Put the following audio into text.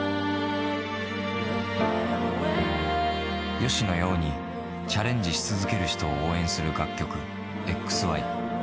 ＹＯＳＨＩのようにチャレンジし続ける人を応援する楽曲、ＸＹ。